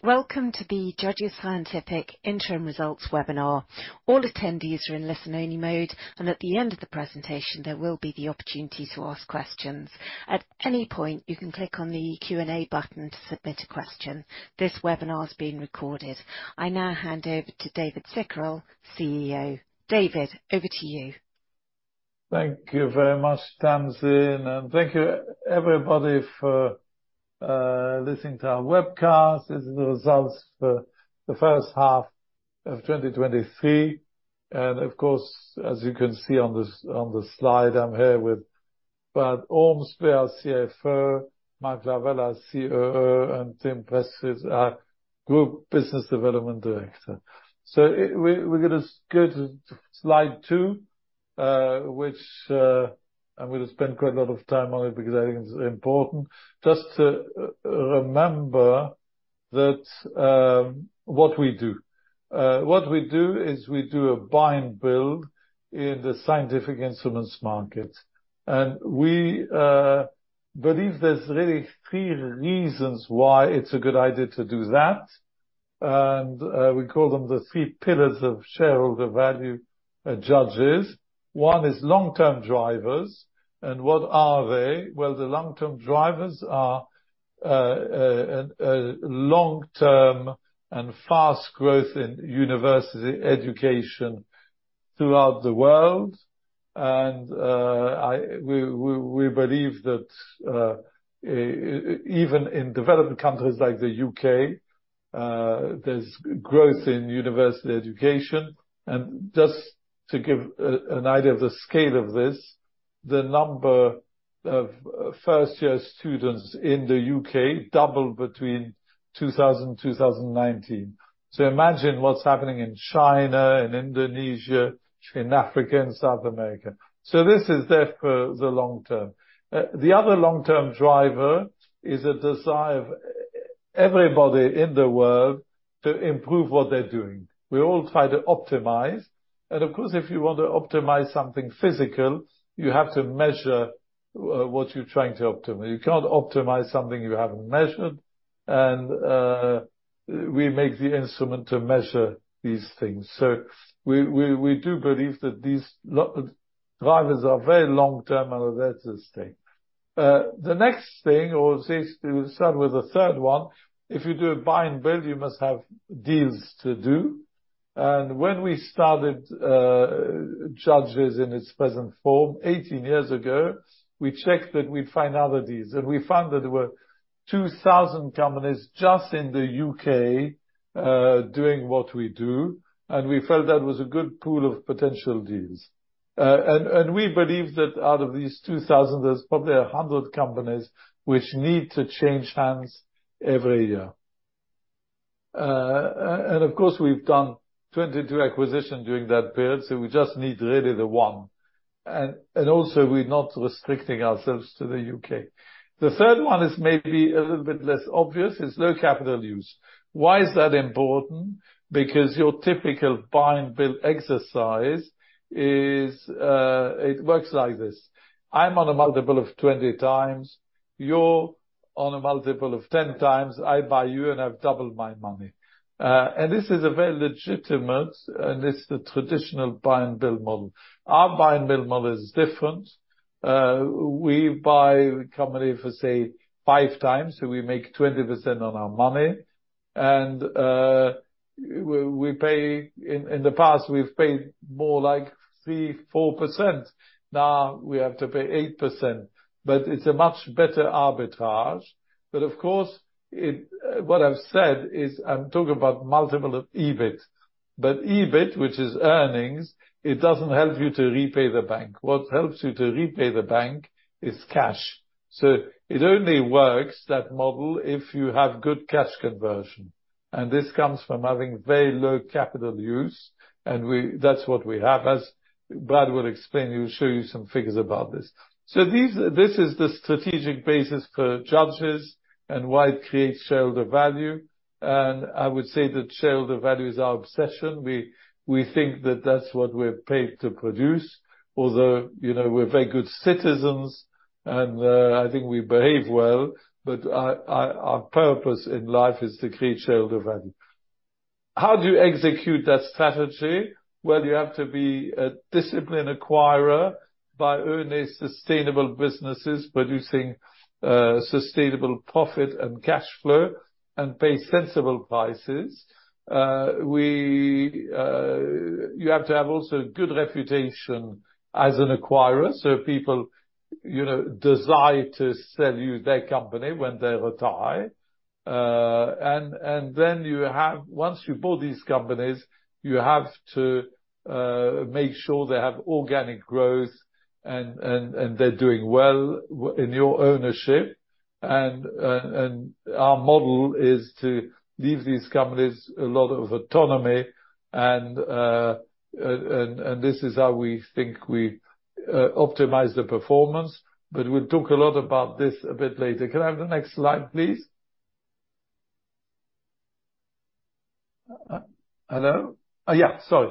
Welcome to the Judges Scientific Interim Results webinar. All attendees are in listen-only mode, and at the end of the presentation, there will be the opportunity to ask questions. At any point, you can click on the Q&A button to submit a question. This webinar is being recorded. I now hand over to David Cicurel, CEO. David, over to you. Thank you very much, Tamsin, and thank you everybody for listening to our webcast. This is the results for the first half of 2023, and of course, as you can see on this, on the slide, I'm here with Brad Ormsby, our CFO, Mark Lavelle, our COO, and Tim Prestidge, our Group Business Development Director. So we're gonna go to slide two, which I'm going to spend quite a lot of time on it because I think it's important just to remember that what we do. What we do is we do a buy and build in the scientific instruments market, and we believe there's really three reasons why it's a good idea to do that. And we call them the three pillars of shareholder value at Judges. One is long-term drivers. And what are they? Well, the long-term drivers are a long-term and fast growth in university education throughout the world. We believe that even in developed countries like the U.K., there's growth in university education. Just to give an idea of the scale of this, the number of first-year students in the U.K. doubled between 2000 and 2019. Imagine what's happening in China, in Indonesia, in Africa, and South America. This is therefore the long term. The other long-term driver is a desire of everybody in the world to improve what they're doing. We all try to optimize, and of course, if you want to optimize something physical, you have to measure what you're trying to optimize. You can't optimize something you haven't measured, and we make the instrument to measure these things. So we do believe that these long-term drivers are very long-term, and that's the thing. The next thing, or at least we'll start with the third one. If you do a buy and build, you must have deals to do. When we started Judges in its present form, 18 years ago, we checked that we'd find other deals, and we found that there were 2,000 companies just in the U.K. doing what we do, and we felt that was a good pool of potential deals. We believe that out of these 2,000, there's probably 100 companies which need to change hands every year. Of course, we've done 22 acquisitions during that period, so we just need really the one. Also, we're not restricting ourselves to the UK. The third one is maybe a little bit less obvious. It's low capital use. Why is that important? Because your typical buy and build exercise is, it works like this: I'm on a 20x multiple, you're on a 10x multiple. I buy you, and I've doubled my money. This is a very legitimate, and it's the traditional buy and build model. Our buy and build model is different. We buy a company for, say, 5x, so we make 20% on our money, and we pay. In the past, we've paid more like 3%-4%. Now we have to pay 8%, but it's a much better arbitrage. Of course, what I've said is I'm talking about multiple of EBIT, but EBIT, which is earnings, it doesn't help you to repay the bank. What helps you to repay the bank is cash. It only works, that model, if you have good cash conversion, and this comes from having very low capital use, and we-- that's what we have. As Brad will explain, he will show you some figures about this. These-- this is the strategic basis for Judges and why it creates shareholder value, and I would say that shareholder value is our obsession. We, we think that that's what we're paid to produce, although, you know, we're very good citizens, and, I think we behave well, but our, our, our purpose in life is to create shareholder value. How do you execute that strategy? Well, you have to be a disciplined acquirer by owning sustainable businesses, producing, sustainable profit and cash flow and pay sensible prices. We, you have to have also a good reputation as an acquirer, so people, you know, desire to sell you their company when they retire. And then you have, Once you buy these companies, you have to make sure they have organic growth and, and, and they're doing well in your ownership. And our model is to leave these companies a lot of autonomy, and, and, and this is how we think we optimize the performance, but we'll talk a lot about this a bit later. Can I have the next slide, please?... Hello? Oh, yeah, sorry.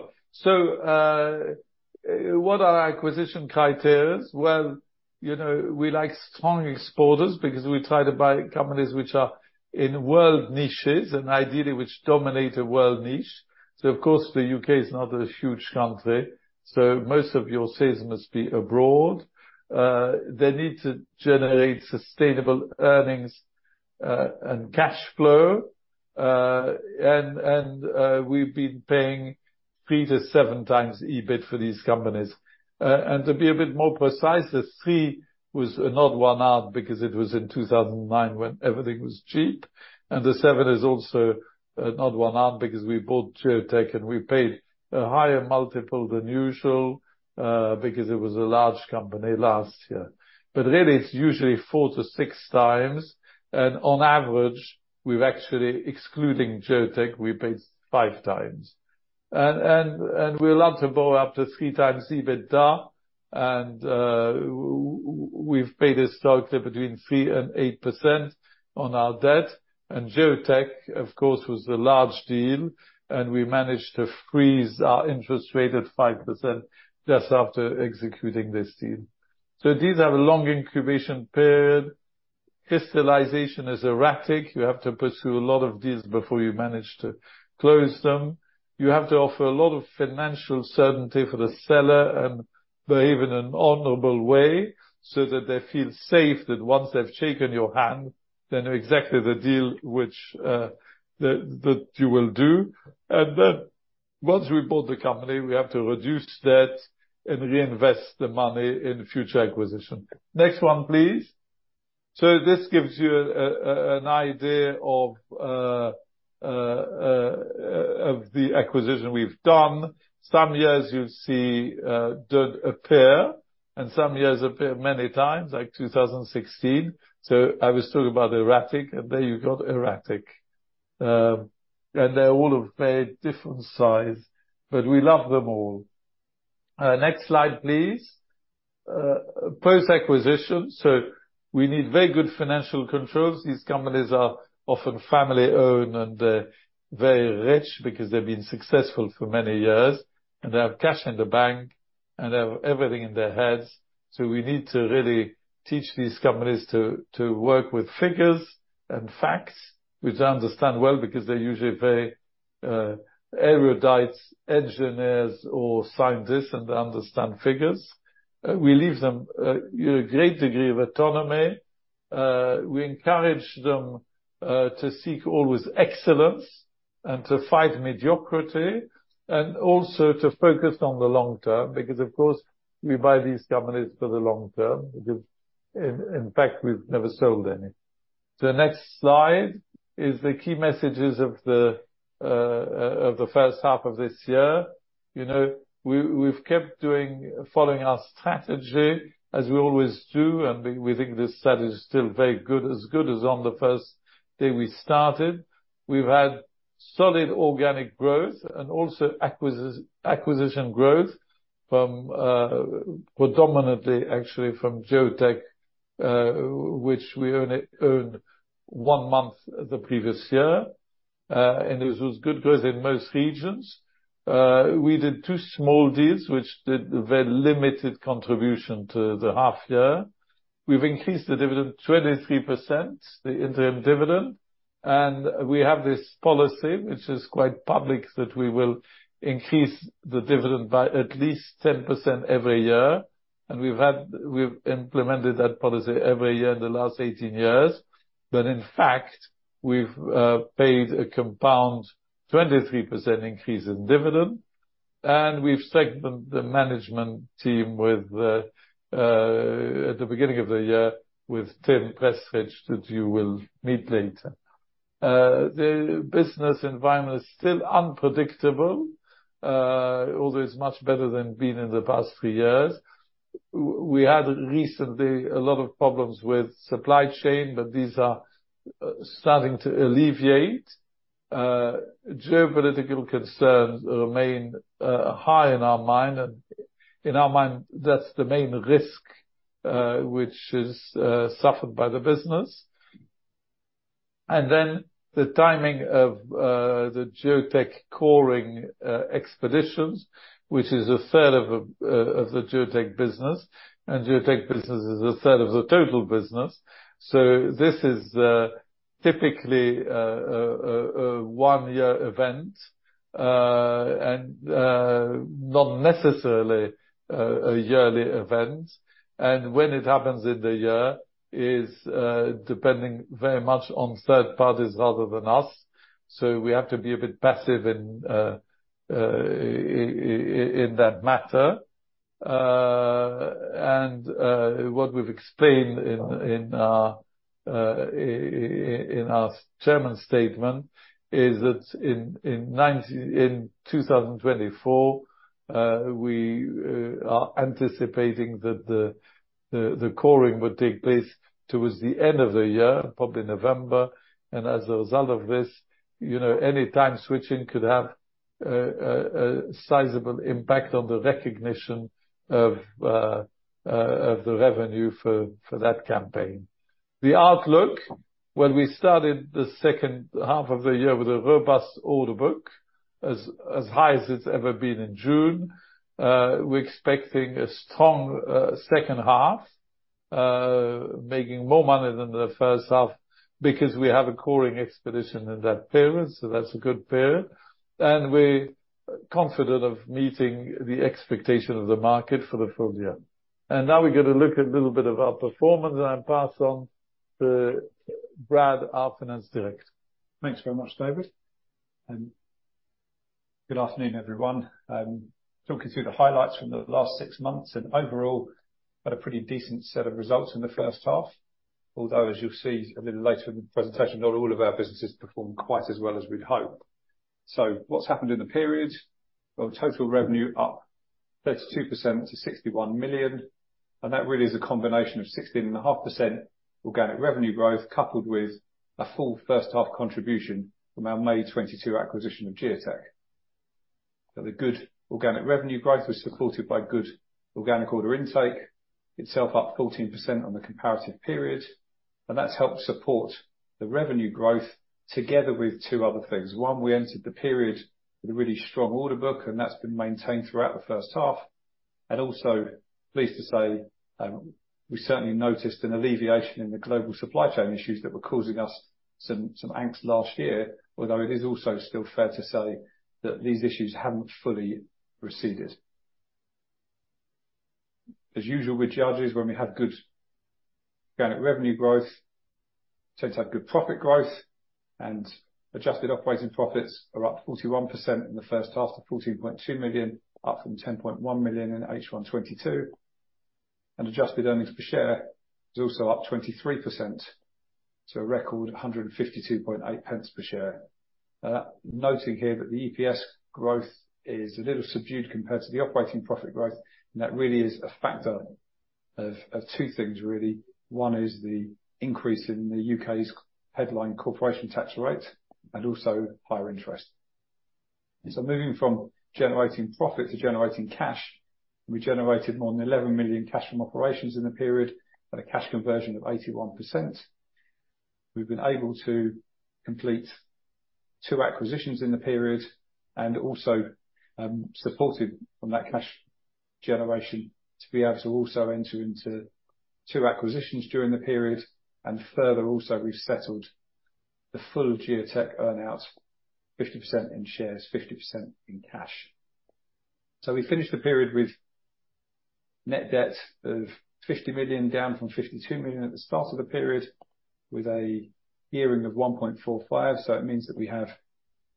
What are our acquisition criteria? Well, you know, we like strong exporters because we try to buy companies which are in world niches and ideally, which dominate a world niche. Of course, the U.K. is not a huge country, so most of your sales must be abroad. They need to generate sustainable earnings and cash flow. We've been paying 3-7x EBIT for these companies. To be a bit more precise, the three was not one-off, because it was in 2009 when everything was cheap, and the seven is also not one-off, because we bought Geotek, and we paid a higher multiple than usual because it was a large company last year. Really, it's usually 4-6x, and on average, we've actually, excluding Geotek, we paid 5x. We love to borrow up to three times EBITDA, and we've paid, historically, between 3%-8% on our debt. Geotek, of course, was a large deal, and we managed to freeze our interest rate at 5% just after executing this deal. So these have a long incubation period. Crystallization is erratic. You have to pursue a lot of deals before you manage to close them. You have to offer a lot of financial certainty for the seller, and behave in an honorable way, so that they feel safe, that once they've shaken your hand, they know exactly the deal which, that you will do. And then once we bought the company, we have to reduce debt and reinvest the money in future acquisition. Next one, please. This gives you an idea of the acquisition we've done. Some years you'll see don't appear, and some years appear many times, like 2016. I was talking about erratic, and there you got erratic. They're all of very different size, but we love them all. Next slide, please. Post-acquisition. We need very good financial controls. These companies are often family-owned and very rich because they've been successful for many years, and they have cash in the bank, and they have everything in their heads. We need to really teach these companies to work with figures and facts, which they understand well because they're usually very erudite engineers or scientists, and they understand figures. We leave them a great degree of autonomy. We encourage them to seek always excellence and to fight mediocrity, and also to focus on the long term, because of course, we buy these companies for the long term. In fact, we've never sold any. The next slide is the key messages of the first half of this year. You know, we've kept doing-- following our strategy, as we always do, and we think this strategy is still very good, as good as on the first day we started. We've had solid organic growth and also acquisition growth from, predominantly actually from Geotek, which we owned one month the previous year. This was good growth in most regions. We did two small deals, which did a very limited contribution to the half year. We've increased the dividend 23%, the interim dividend, and we have this policy, which is quite public, that we will increase the dividend by at least 10% every year. We've implemented that policy every year in the last 18 years. In fact, we've paid a compound 23% increase in dividend, and we've strengthened the management team at the beginning of the year with Tim Prestidge, that you will meet later. The business environment is still unpredictable, although it's much better than it has been in the past three years. We had recently a lot of problems with supply chain, but these are starting to alleviate. Geopolitical concerns remain high in our mind, and in our mind, that's the main risk, which is suffered by the business. And then the timing of the Geotek coring expeditions, which is a third of the Geotek business, and Geotek business is a third of the total business. So this is typically a one-year event and not necessarily a yearly event. And when it happens in the year is depending very much on third parties rather than us. So we have to be a bit passive in that matter. And what we've explained in our chairman's statement is that in 2024 we are anticipating that the coring would take place towards the end of the year, probably November. As a result of this, you know, any time switching could have a sizable impact on the recognition of the revenue for that campaign. The outlook, well, we started the second half of the year with a robust order book, as high as it's ever been in June. We're expecting a strong second half, making more money than the first half because we have a coring expedition in that period, so that's a good period. We're confident of meeting the expectation of the market for the full year. Now we're gonna look at a little bit of our performance, and I'll pass on to Brad, our Finance Director. Thanks very much, David, and good afternoon, everyone. Talking through the highlights from the last six months, and overall, had a pretty decent set of results in the first half, although, as you'll see a little later in the presentation, not all of our businesses performed quite as well as we'd hoped. So what's happened in the period? Well, total revenue up 32% to 61 million, and that really is a combination of 16.5% organic revenue growth, coupled with a full first half contribution from our May 2022 acquisition of Geotek. So the good organic revenue growth was supported by good organic order intake, itself up 14% on the comparative period, and that's helped support the revenue growth together with two other things. One, we entered the period with a really strong order book, and that's been maintained throughout the first half. And also, pleased to say, we certainly noticed an alleviation in the global supply chain issues that were causing us some angst last year, although it is also still fair to say that these issues haven't fully receded. As usual, with Judges, when we have good organic revenue growth, tend to have good profit growth, and adjusted operating profits are up 41% in the first half to 14.2 million, up from 10.1 million in H1 2022. And adjusted earnings per share is also up 23%, to a record 152.8 per share. Noting here that the EPS growth is a little subdued compared to the operating profit growth, and that really is a factor of two things, really. One is the increase in the U.K.'s headline corporation tax rate and also higher interest. Moving from generating profit to generating cash, we generated more than 11 million cash from operations in the period at a cash conversion of 81%. We've been able to complete two acquisitions in the period, also supported from that cash generation, to be able to also enter into two acquisitions during the period. Further, we've settled the full Geotek earn-outs, 50% in shares, 50% in cash. We finished the period with net debt of 50 million, down from 52 million at the start of the period, with a gearing of 1.45. It means that we have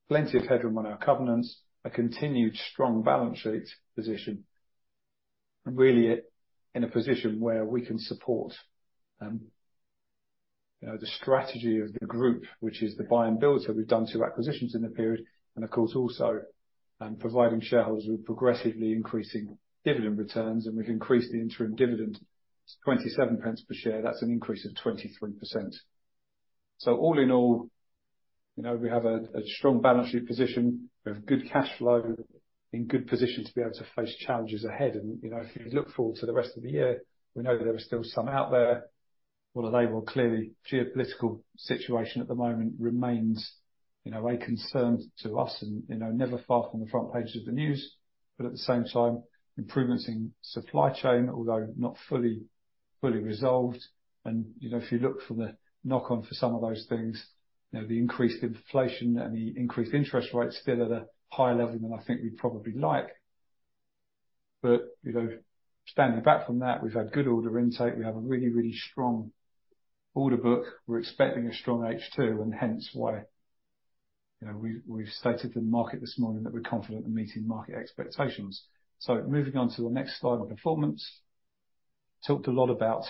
plenty of headroom on our covenants, a continued strong balance sheet position, and really in a position where we can support, you know, the strategy of the group, which is the buy and build. We've done two acquisitions in the period and of course also, providing shareholders with progressively increasing dividend returns, and we've increased the interim dividend to 0.27 per share. That's an increase of 23%. All in all, you know, we have a strong balance sheet position, we have good cash flow, in good position to be able to face challenges ahead. You know, if you look forward to the rest of the year, we know there are still some out there. Well, they will clearly... Geopolitical situation at the moment remains, you know, a concern to us and, you know, never far from the front page of the news, but at the same time, improvements in supply chain, although not fully, fully resolved. You know, if you look for the knock-on for some of those things, you know, the increased inflation and the increased interest rates still at a higher level than I think we'd probably like. You know, standing back from that, we've had good order intake. We have a really, really strong order book. We're expecting a strong H2, and hence why, you know, we've stated to the market this morning that we're confident in meeting market expectations. Moving on to the next slide on performance. Talked a lot about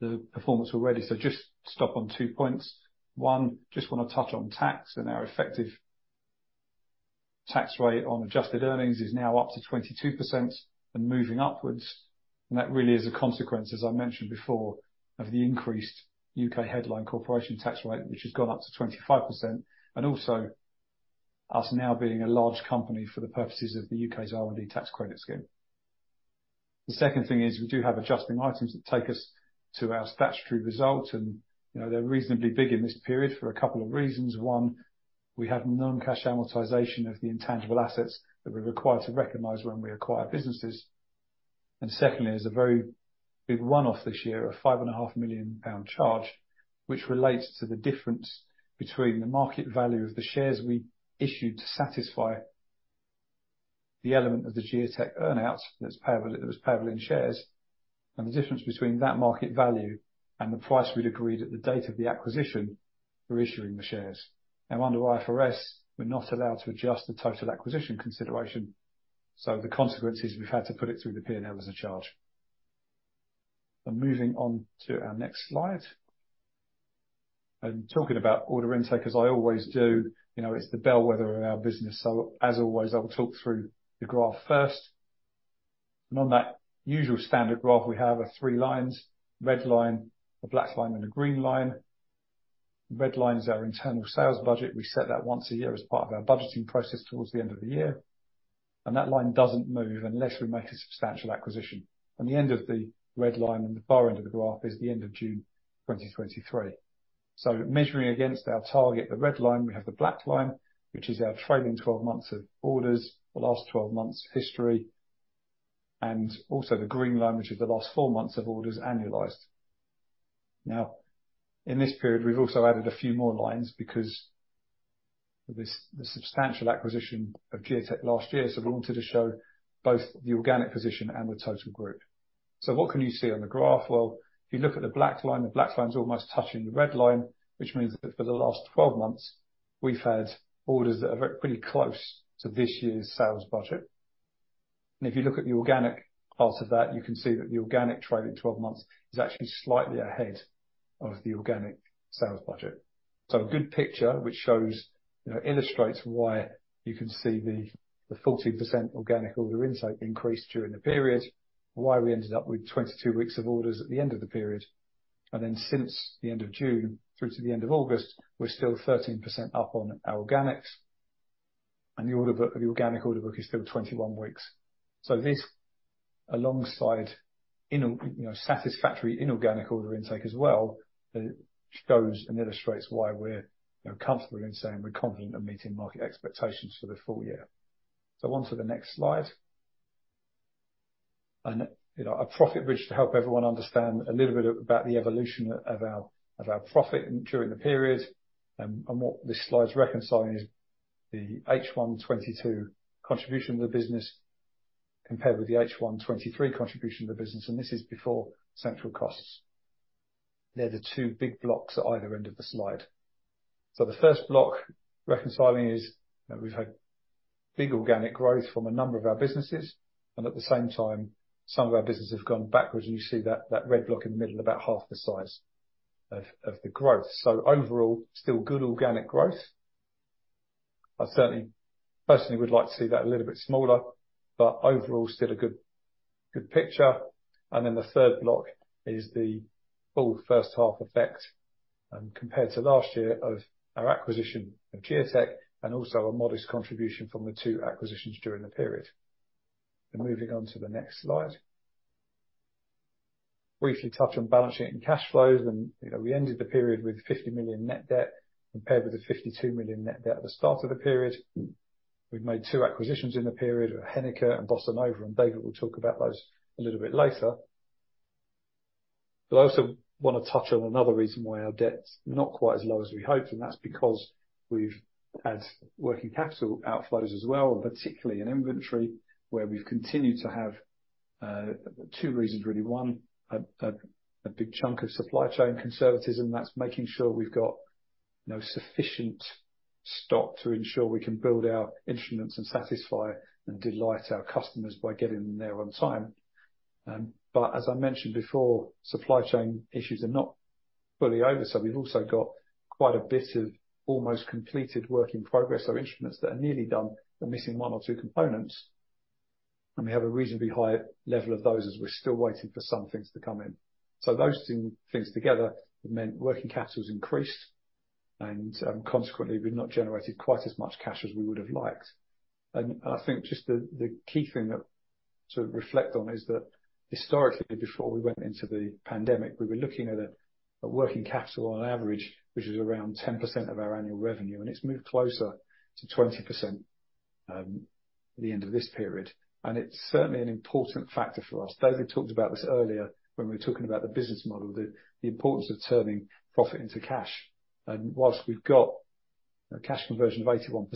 the performance already, so just stop on two points. One, just wanna touch on tax, and our effective tax rate on adjusted earnings is now up to 22% and moving upwards. That really is a consequence, as I mentioned before, of the increased U.K. headline corporation tax rate, which has gone up to 25%, and also us now being a large company for the purposes of the U.K.'s R&D Tax Credit scheme. The second thing is, we do have adjusting items that take us to our statutory results, and, you know, they're reasonably big in this period for a couple of reasons. One, we have non-cash amortization of the intangible assets that we're required to recognize when we acquire businesses. Secondly, there's a very big one-off this year, a 5.5 million pound charge, which relates to the difference between the market value of the shares we issued to satisfy the element of the Geotek earn-outs that's payable, that was payable in shares, and the difference between that market value and the price we'd agreed at the date of the acquisition for issuing the shares. Now, under IFRS, we're not allowed to adjust the total acquisition consideration, so the consequence is we've had to put it through the P&L as a charge. Moving on to our next slide. Talking about order intake, as I always do, you know, it's the bellwether of our business, so as always, I'll talk through the graph first. On that usual standard graph, we have our three lines: red line, a black line, and a green line. The red line is our internal sales budget. We set that once a year as part of our budgeting process towards the end of the year, and that line doesn't move unless we make a substantial acquisition. And the end of the red line, and the far end of the graph, is the end of June 2023. So measuring against our target, the red line, we have the black line, which is our trailing 12 months of orders, the last 12 months' history, and also the green line, which is the last four months of orders annualized. Now, in this period, we've also added a few more lines because of this, the substantial acquisition of Geotek last year. So we wanted to show both the organic position and the total group. So what can you see on the graph? Well, if you look at the black line, the black line is almost touching the red line, which means that for the last 12 months, we've had orders that are very-- pretty close to this year's sales budget. And if you look at the organic part of that, you can see that the organic trading 12 months is actually slightly ahead of the organic sales budget. So a good picture, which shows, you know, illustrates why you can see the 40% organic order intake increase during the period, and why we ended up with 22 weeks of orders at the end of the period. And then since the end of June through to the end of August, we're still 13% up on our organics, and the orderbook, the organic order book is still 21 weeks. So this, alongside inorganic order intake as well, you know, shows and illustrates why we're, you know, comfortable in saying we're confident of meeting market expectations for the full year. So on to the next slide. And, you know, a profit bridge to help everyone understand a little bit about the evolution of our, of our profit during the period. And what this slide's reconciling is the H1 2022 contribution of the business, compared with the H1 2023 contribution of the business, and this is before central costs. They're the two big blocks at either end of the slide. So the first block, reconciling is, you know, we've had big organic growth from a number of our businesses, and at the same time, some of our businesses have gone backwards, and you see that, that red block in the middle, about half the size of, of the growth. So overall, still good organic growth. I certainly, personally would like to see that a little bit smaller, but overall, still a good, good picture. And then the third block is the full first half effect, compared to last year of our acquisition of Geotek, and also a modest contribution from the two acquisitions during the period. And moving on to the next slide. Briefly touch on balance sheet and cash flows, and, you know, we ended the period with 50 million net debt, compared with the 52 million net debt at the start of the period. We've made two acquisitions in the period, Henniker and Bossa Nova, and David will talk about those a little bit later. But I also want to touch on another reason why our debt's not quite as low as we hoped, and that's because we've had working capital outflows as well, particularly in inventory, where we've continued to have two reasons, really. One, a big chunk of supply chain conservatism. That's making sure we've got, you know, sufficient stock to ensure we can build our instruments and satisfy and delight our customers by getting them there on time. But as I mentioned before, supply chain issues are not fully over, so we've also got quite a bit of almost completed work in progress or instruments that are nearly done, but missing one or two components. We have a reasonably high level of those, as we're still waiting for some things to come in. Those two things together have meant working capital's increased, and, consequently, we've not generated quite as much cash as we would have liked. I think just the key thing to reflect on is that historically, before we went into the pandemic, we were looking at a working capital on average, which is around 10% of our annual revenue, and it's moved closer to 20% at the end of this period. It's certainly an important factor for us. David talked about this earlier when we were talking about the business model, the importance of turning profit into cash. While we've got a cash conversion of 81%,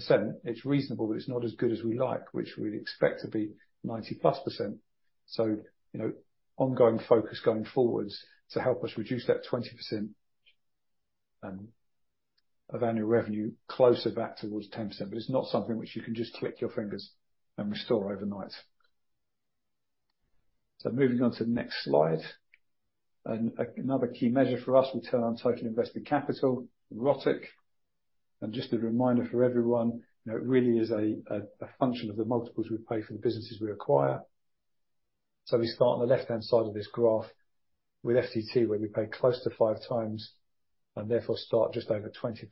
it's reasonable that it's not as good as we like, which we'd expect to be 90%+. So, you know, ongoing focus going forwards to help us reduce that 20%, of annual revenue closer back towards 10%, but it's not something which you can just click your fingers and restore overnight. So moving on to the next slide, and, another key measure for us, return on total invested capital, ROTIC. And just a reminder for everyone, you know, it really is a function of the multiples we pay for the businesses we acquire. So we start on the left-hand side of this graph with FTT, where we paid close to 5x, and therefore start just over 20%.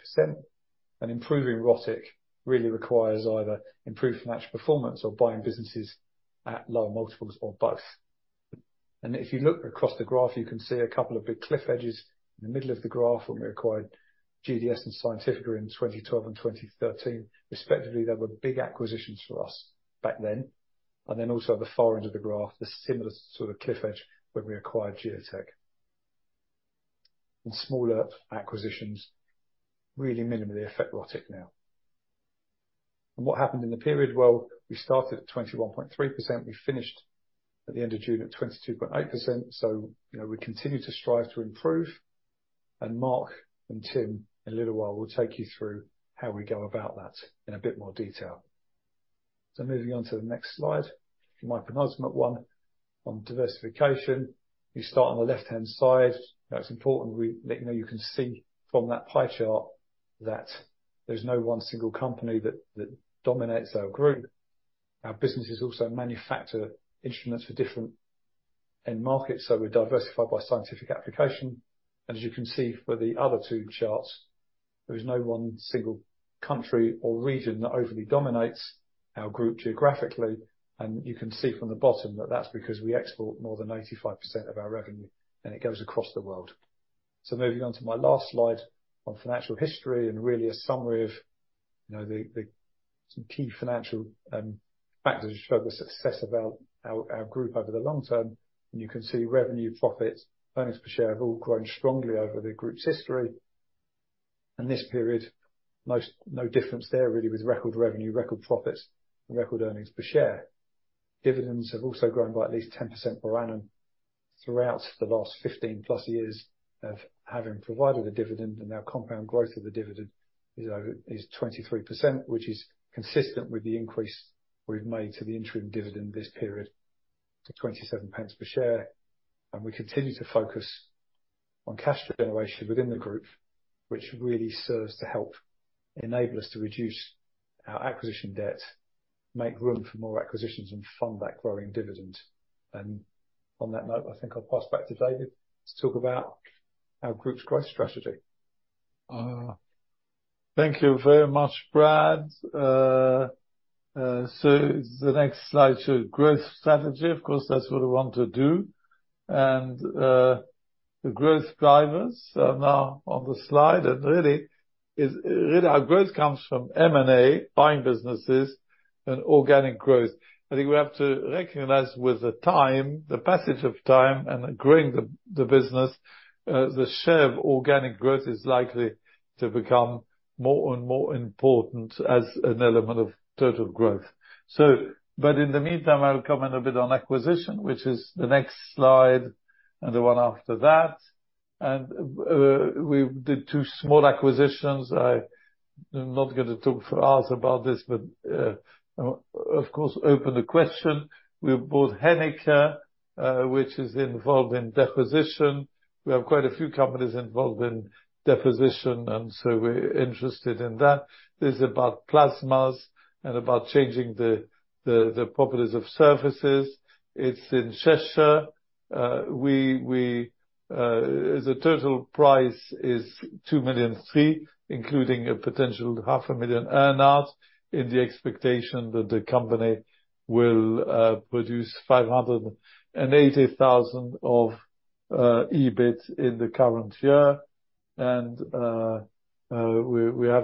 Improving ROTIC really requires either improved financial performance or buying businesses at lower multiples, or both. If you look across the graph, you can see a couple of big cliff edges. In the middle of the graph, when we acquired GDS and Scientifica in 2012 and 2013, respectively, they were big acquisitions for us back then, and then also at the far end of the graph, the similar sort of cliff edge when we acquired Geotek. Smaller acquisitions really minimally affect ROTIC now. What happened in the period? Well, we started at 21.3%. We finished at the end of June at 22.8%, so, you know, we continue to strive to improve. Mark and Tim, in a little while, will take you through how we go about that in a bit more detail. So moving on to the next slide, it might be the penultimate one on diversification. You start on the left-hand side. Now, it's important we let you know, you can see from that pie chart that there's no one single company that dominates our group. Our businesses also manufacture instruments for different end markets, so we're diversified by scientific application. As you can see from the other two charts, there is no one single country or region that overly dominates our group geographically. And you can see from the bottom that that's because we export more than 85% of our revenue, and it goes across the world. So moving on to my last slide on financial history and really a summary of, you know, some key financial factors which show the success of our group over the long term. You can see revenue, profits, earnings per share, have all grown strongly over the group's history. This period, most—no difference there, really, with record revenue, record profits, and record earnings per share. Dividends have also grown by at least 10% per annum throughout the last 15+ years of having provided a dividend, and our compound growth of the dividend is over, is 23%, which is consistent with the increase we've made to the interim dividend this period, to 0.27 per share. We continue to focus on cash flow generation within the group, which really serves to help enable us to reduce our acquisition debt, make room for more acquisitions, and fund that growing dividend. On that note, I think I'll pass back to David to talk about our group's growth strategy. Thank you very much, Brad. So the next slide shows growth strategy. Of course, that's what we want to do. The growth drivers are now on the slide, and really our growth comes from M&A, buying businesses and organic growth. I think we have to recognize with the time, the passage of time, and growing the business, the share of organic growth is likely to become more and more important as an element of total growth. But in the meantime, I'll comment a bit on acquisition, which is the next slide and the one after that. We did two small acquisitions. I am not gonna talk for hours about this, but of course, open the question. We bought Henniker, which is involved in deposition. We have quite a few companies involved in deposition, and so we're interested in that. This is about plasmas and about changing the, the properties of surfaces. It's in Cheshire. We, we, the total price is 2.3 million, including a potential 500,000 earn-out, in the expectation that the company will produce 580,000 of EBIT in the current year. We have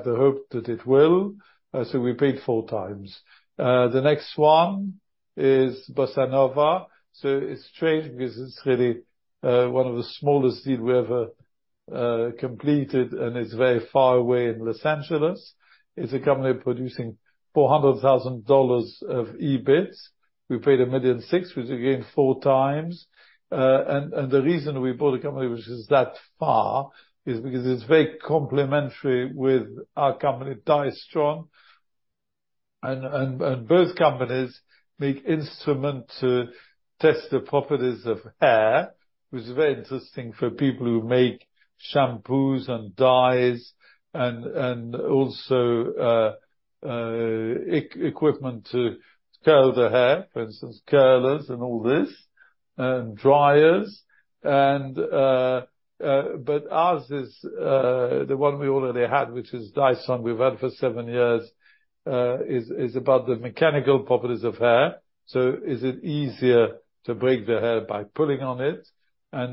the hope that it will, so we paid 4x. The next one is Bossa Nova. It's strange because it's really one of the smallest deal we ever completed, and it's very far away in Los Angeles. It's a company producing $400,000 of EBIT. We paid $1.6 million, which again, 4x. The reason we bought a company which is that far is because it's very complementary with our company, Dia-Stron. Both companies make instruments to test the properties of hair, which is very interesting for people who make shampoos and dyes and also equipment to curl their hair, for instance, curlers and all this, and dryers. Ours is the one we already had, which is Dia-Stron. We've had it for seven years. It is about the mechanical properties of hair. So is it easier to break the hair by pulling on it?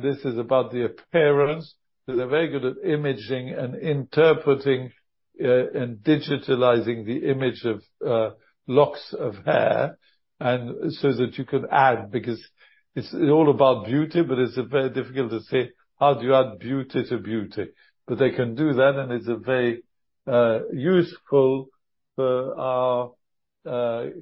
This is about the appearance. They're very good at imaging and interpreting and digitalizing the image of locks of hair, and so that you can add, because it's all about beauty, but it's very difficult to say, how do you add beauty to beauty? But they can do that, and it's very useful for our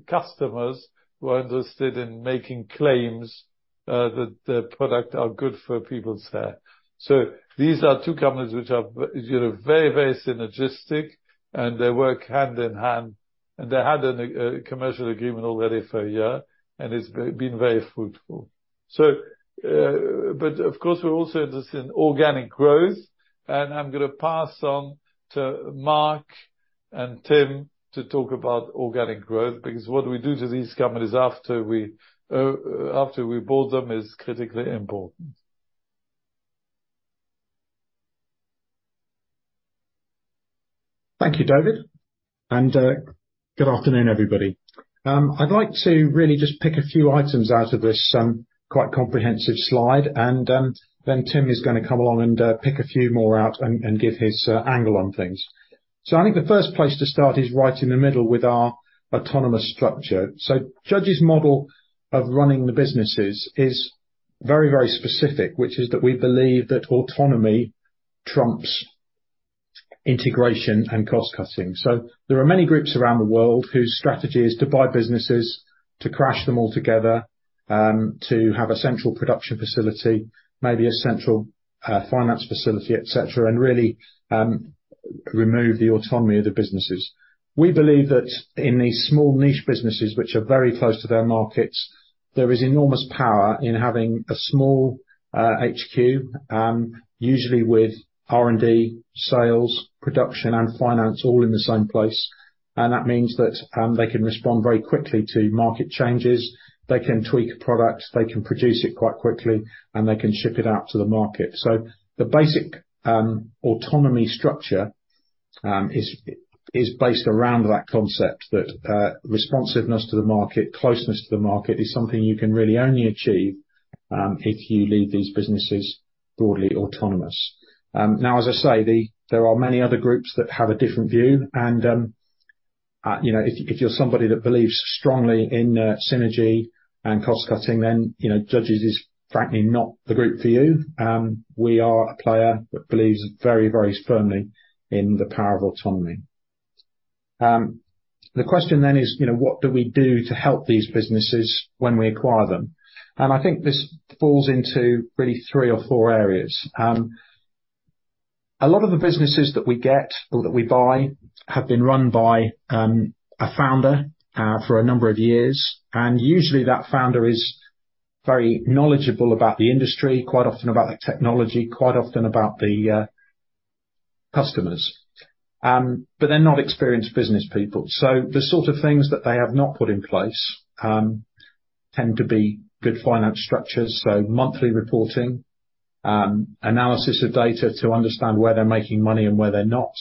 customers who are interested in making claims that their product are good for people's hair. So these are two companies which are, you know, very, very synergistic, and they work hand in hand, and they had a commercial agreement already for a year, and it's been very fruitful. So, but of course, we're also interested in organic growth, and I'm gonna pass on to Mark and Tim to talk about organic growth, because what we do to these companies after we bought them is critically important. Thank you, David. And, good afternoon, everybody. I'd like to really just pick a few items out of this quite comprehensive slide, and then Tim is gonna come along and pick a few more out and give his angle on things. So I think the first place to start is right in the middle with our autonomous structure. So Judges' model of running the businesses is very, very specific, which is that we believe that autonomy trumps integration and cost cutting. So there are many groups around the world whose strategy is to buy businesses, to crash them all together, to have a central production facility, maybe a central finance facility, et cetera, and really, ... remove the autonomy of the businesses. We believe that in these small niche businesses, which are very close to their markets, there is enormous power in having a small, HQ, usually with R&D, sales, production, and finance all in the same place. And that means that they can respond very quickly to market changes, they can tweak a product, they can produce it quite quickly, and they can ship it out to the market. So the basic autonomy structure is based around that concept, that responsiveness to the market, closeness to the market, is something you can really only achieve if you leave these businesses broadly autonomous. Now, as I say, there are many other groups that have a different view, and, you know, if you're somebody that believes strongly in, you know, synergy and cost cutting, then, you know, Judges is frankly not the group for you. We are a player that believes very, very firmly in the power of autonomy. The question then is, you know, what do we do to help these businesses when we acquire them? I think this falls into really three or four areas. A lot of the businesses that we get or that we buy have been run by a founder for a number of years, and usually that founder is very knowledgeable about the industry, quite often about the technology, quite often about the customers. They're not experienced business people, so the sort of things that they have not put in place tend to be good finance structures, monthly reporting, analysis of data to understand where they're making money and where they're not.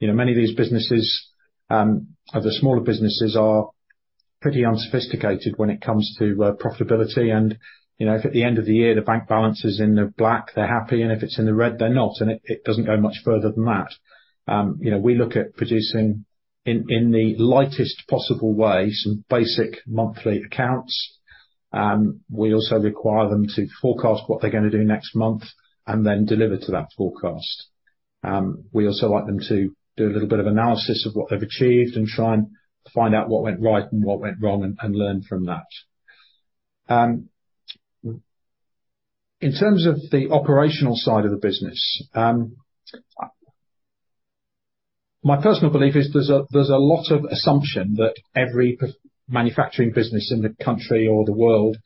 You know, many of these businesses, of the smaller businesses, are pretty unsophisticated when it comes to profitability. You know, if at the end of the year, the bank balance is in the black, they're happy, and if it's in the red, they're not. It doesn't go much further than that. You know, we look at producing in the lightest possible way some basic monthly accounts. We also require them to forecast what they're gonna do next month and then deliver to that forecast. We also like them to do a little bit of analysis of what they've achieved and try and find out what went right and what went wrong, and, and learn from that. In terms of the operational side of the business, my personal belief is there's a, there's a lot of assumption that every manufacturing business in the country or the world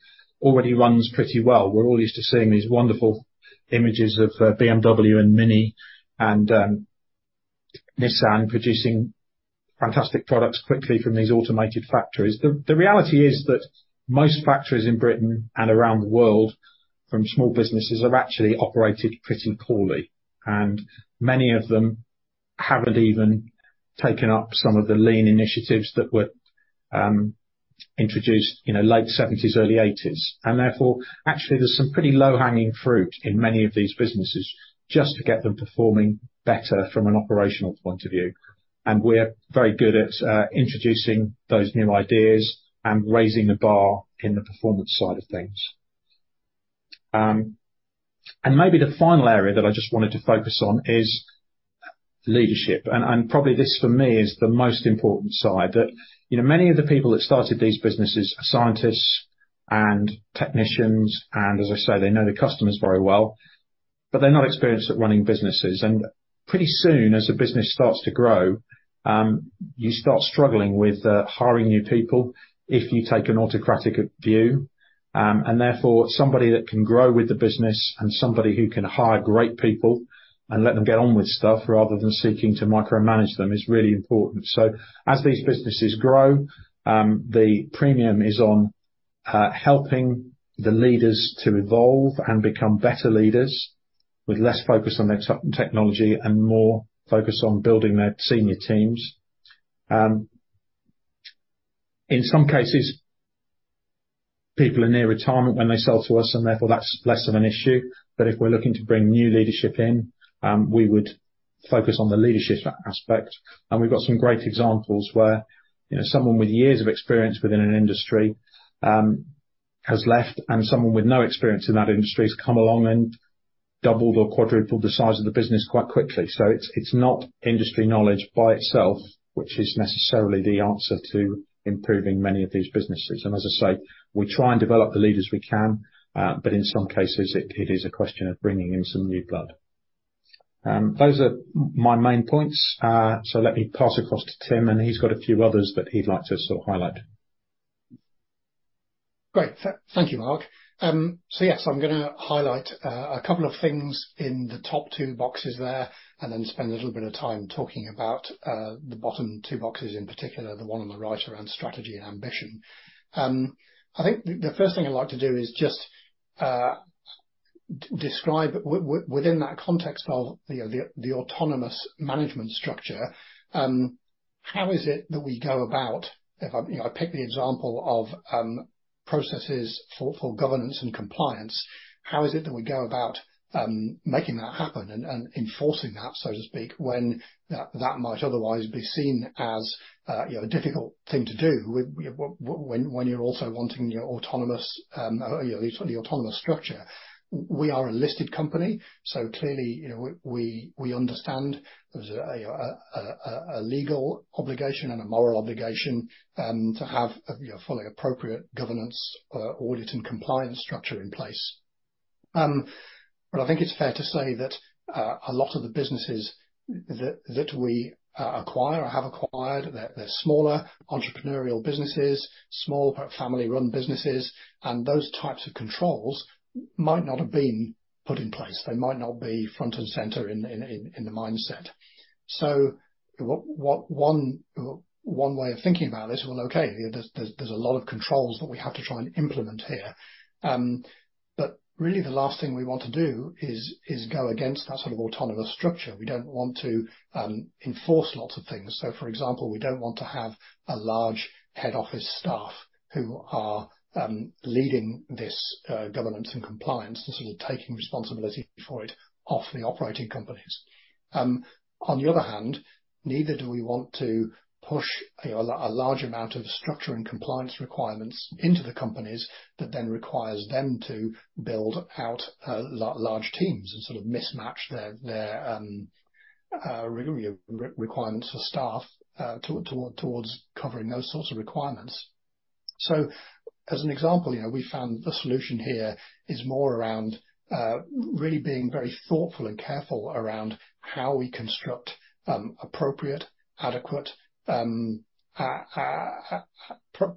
already runs pretty well. We're all used to seeing these wonderful images of BMW and MINI and Nissan producing fantastic products quickly from these automated factories. The reality is that most factories in Britain and around the world, from small businesses, are actually operated pretty poorly, and many of them haven't even taken up some of the lean initiatives that were introduced in the late 1970s, early 1980s. And therefore, actually, there's some pretty low-hanging fruit in many of these businesses just to get them performing better from an operational point of view. And we're very good at introducing those new ideas and raising the bar in the performance side of things. And maybe the final area that I just wanted to focus on is leadership, and probably this, for me, is the most important side. That, you know, many of the people that started these businesses are scientists and technicians, and as I say, they know their customers very well, but they're not experienced at running businesses. And pretty soon as the business starts to grow, you start struggling with hiring new people if you take an autocratic view. Somebody that can grow with the business and somebody who can hire great people and let them get on with stuff rather than seeking to micromanage them is really important. As these businesses grow, the premium is on helping the leaders to evolve and become better leaders with less focus on their technology and more focus on building their senior teams. In some cases, people are near retirement when they sell to us, and therefore that's less of an issue. If we're looking to bring new leadership in, we would focus on the leadership aspect. We've got some great examples where, you know, someone with years of experience within an industry has left, and someone with no experience in that industry has come along and doubled or quadrupled the size of the business quite quickly. So it's not industry knowledge by itself, which is necessarily the answer to improving many of these businesses. And as I say, we try and develop the leaders we can, but in some cases it is a question of bringing in some new blood. Those are my main points. So let me pass across to Tim, and he's got a few others that he'd like to sort of highlight. Great. Thank you, Mark. Yes, I'm gonna highlight a couple of things in the top two boxes there and then spend a little bit of time talking about the bottom two boxes, in particular, the one on the right around strategy and ambition. I think the first thing I'd like to do is just describe within that context of, you know, the autonomous management structure, how is it that we go about... If I, you know, I pick the example of processes for governance and compliance, how is it that we go about making that happen and enforcing that, so to speak, when that might otherwise be seen as, you know, a difficult thing to do, when you're also wanting your autonomous, you know, the autonomous structure? We are a listed company, so clearly, you know, we understand there's a legal obligation and a moral obligation to have a you know, fully appropriate governance, audit, and compliance structure in place. But I think it's fair to say that a lot of the businesses that we acquire or have acquired, they're smaller entrepreneurial businesses, small family-run businesses, and those types of controls might not have been put in place. They might not be front and center in the mindset. So what one way of thinking about this, well, okay, there's a lot of controls that we have to try and implement here. But really the last thing we want to do is go against that sort of autonomous structure. We don't want to enforce lots of things. So, for example, we don't want to have a large head office staff who are leading this governance and compliance and sort of taking responsibility for it off the operating companies. On the other hand, neither do we want to push, you know, a large amount of structure and compliance requirements into the companies that then requires them to build out large teams and sort of mismatch their requirements for staff to towards covering those sorts of requirements. So as an example, you know, we found the solution here is more around really being very thoughtful and careful around how we construct appropriate, adequate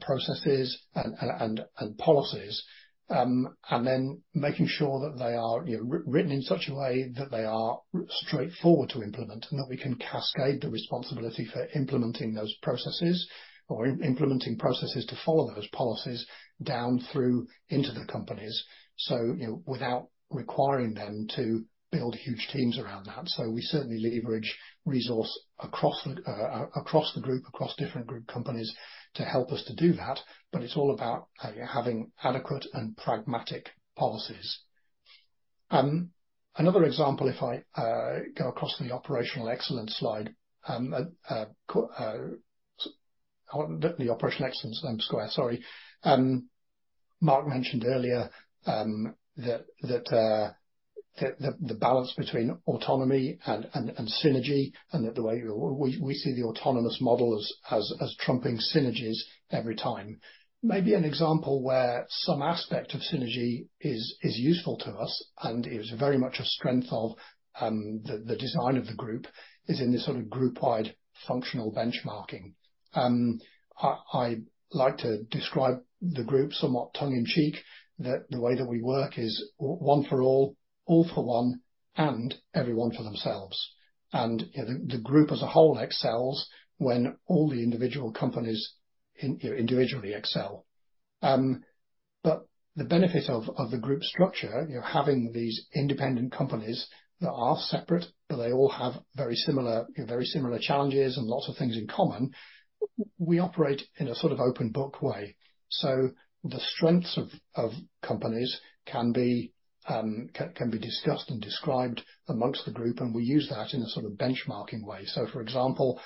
processes and policies, and then making sure that they are, you know, written in such a way that they are straightforward to implement, and that we can cascade the responsibility for implementing those processes or implementing processes to follow those policies down through into the companies, so, you know, without requiring them to build huge teams around that. So we certainly leverage resource across the group, across different group companies to help us to do that, but it's all about having adequate and pragmatic policies. Another example, if I go across to the operational excellence slide, the operational excellence square, sorry. Mark mentioned earlier that the balance between autonomy and synergy and that the way we see the autonomous model as trumping synergies every time. Maybe an example where some aspect of synergy is useful to us, and it was very much a strength of the design of the group, is in this sort of group-wide functional benchmarking. I like to describe the group, somewhat tongue in cheek, that the way that we work is one for all, all for one, and everyone for themselves. You know, the group as a whole excels when all the individual companies in you know, individually excel. But the benefit of the group structure, you know, having these independent companies that are separate, but they all have very similar, very similar challenges and lots of things in common, we operate in a sort of open book way. So the strengths of companies can be discussed and described amongst the group, and we use that in a sort of benchmarking way. So for example,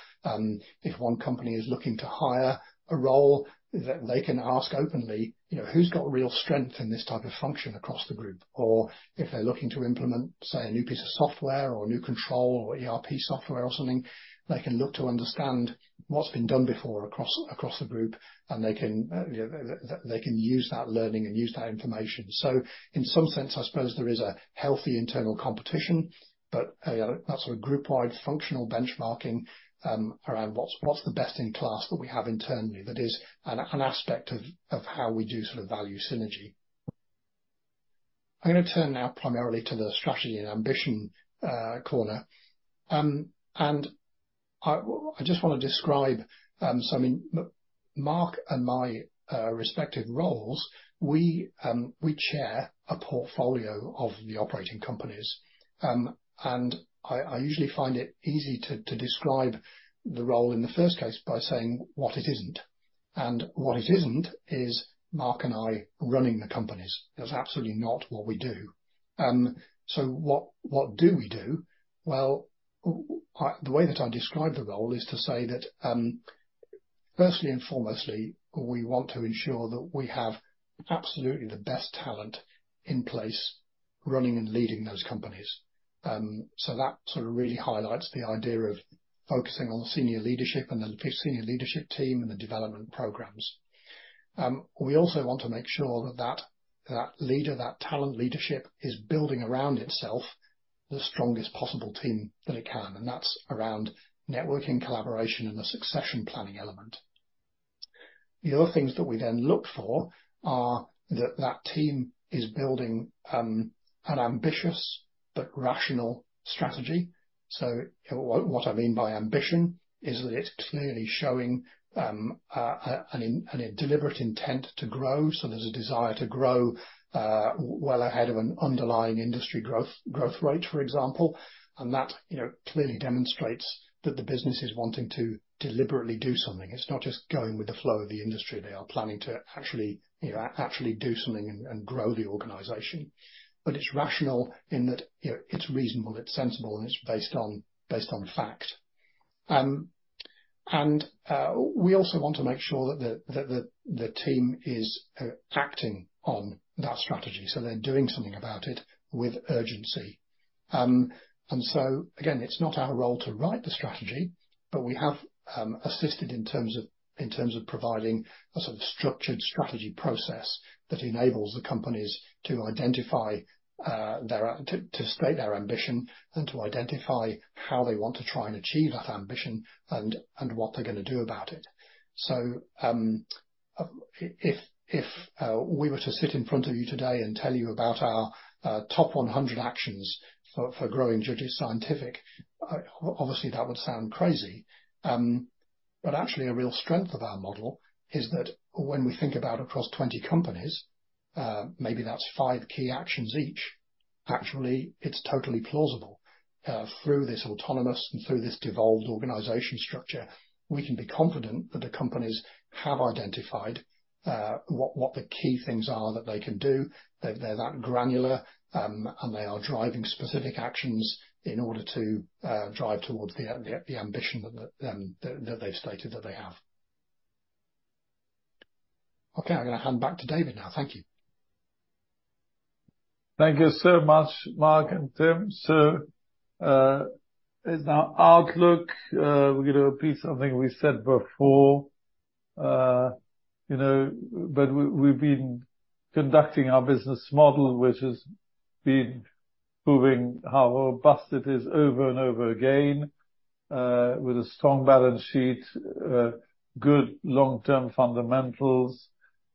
if one company is looking to hire a role, that they can ask openly, you know, "Who's got real strength in this type of function across the group?" Or if they're looking to implement, say, a new piece of software or a new control or ERP software or something, they can look to understand what's been done before across the group, and they can, you know, they can use that learning and use that information. So in some sense, I suppose there is a healthy internal competition, but that sort of group-wide functional benchmarking, around what's the best in class that we have internally, that is an aspect of how we do sort of value synergy. I'm going to turn now primarily to the strategy and ambition, corner. And I just want to describe, so I mean, Mark and my respective roles. We chair a portfolio of the operating companies. And I usually find it easy to describe the role in the first case by saying what it isn't, and what it isn't is Mark and I running the companies. That's absolutely not what we do. So what do we do? Well, the way that I describe the role is to say that, firstly and foremostly, we want to ensure that we have absolutely the best talent in place, running and leading those companies. So that sort of really highlights the idea of focusing on senior leadership and the senior leadership team and the development programs. We also want to make sure that that leader, that talent leadership, is building around itself the strongest possible team that it can, and that's around networking, collaboration, and the succession planning element. The other things that we then look for are that that team is building an ambitious but rational strategy. So what I mean by ambition is that it's clearly showing a deliberate intent to grow. So there's a desire to grow well ahead of an underlying industry growth rate, for example, and that you know clearly demonstrates that the business is wanting to deliberately do something. It's not just going with the flow of the industry. They are planning to actually you know actually do something and grow the organization. It's rational in that, you know, it's reasonable, it's sensible, and it's based on fact. We also want to make sure that the team is acting on that strategy, so they're doing something about it with urgency. Again, it's not our role to write the strategy, but we have assisted in terms of providing a sort of structured strategy process that enables the companies to identify, you know, to state their ambition and to identify how they want to try and achieve that ambition and what they're gonna do about it. If we were to sit in front of you today and tell you about our top 100 actions for growing Judges Scientific, obviously, that would sound crazy. But actually, a real strength of our model is that when we think about across 20 companies, maybe that's five key actions each, actually, it's totally plausible. Through this autonomous and through this devolved organization structure, we can be confident that the companies have identified what the key things are that they can do. They're that granular, and they are driving specific actions in order to drive towards the ambition that they've stated that they have. Okay, I'm gonna hand back to David now. Thank you. Thank you so much, Mark and Tim. So, as our outlook, we're gonna repeat something we said before. You know, but we, we've been conducting our business model, which has been proving how robust it is over and over again, with a strong balance sheet, good long-term fundamentals,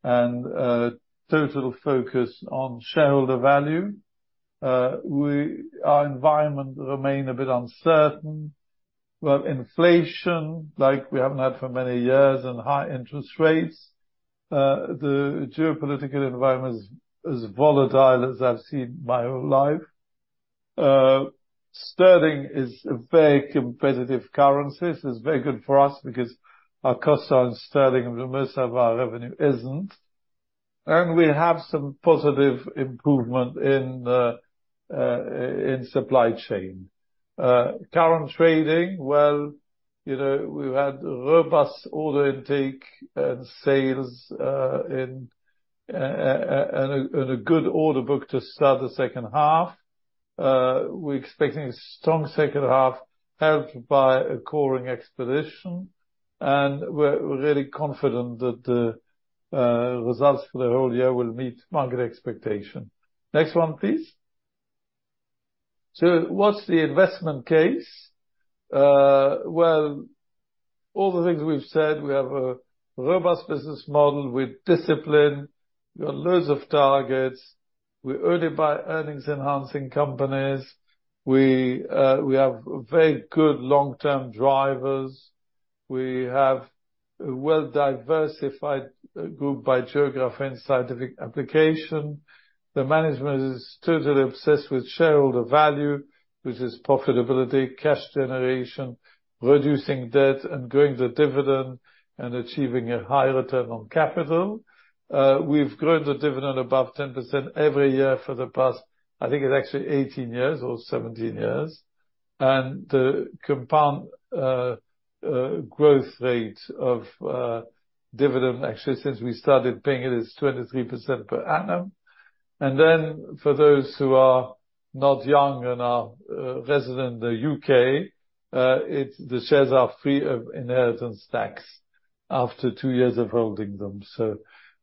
and, total focus on shareholder value. Our environment remain a bit uncertain, but inflation, like we haven't had for many years, and high interest rates, the geopolitical environment is volatile as I've seen in my whole life. Sterling is a very competitive currency. This is very good for us because our costs are in sterling, and most of our revenue isn't. And we have some positive improvement in, in supply chain. Current trading, well, you know, we've had robust order intake and sales, and a good order book to start the second half. We're expecting a strong second half, helped by a coring expedition, and we're really confident that the results for the whole year will meet market expectation. Next one, please. So what's the investment case? Well, all the things we've said, we have a robust business model with discipline. We got loads of targets, we're acquiring earnings-enhancing companies. We have very good long-term drivers. We have a well-diversified group by geography and scientific application. The management is totally obsessed with shareholder value, which is profitability, cash generation, reducing debt, and growing the dividend, and achieving a higher return on capital. We've grown the dividend above 10% every year for the past, I think it's actually 18 years or 17 years, and the compound growth rate of dividend, actually, since we started paying it, is 23% per annum. And then for those who are not young and are resident in the UK, it's the shares are free of inheritance tax after two years of holding them. So